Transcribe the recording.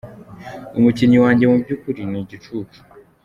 Umukinnyi wanjye mu by'ukuri ni igicucu.